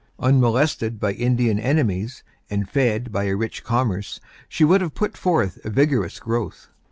Unmolested by Indian enemies, and fed by a rich commerce, she would have put forth a vigorous growth.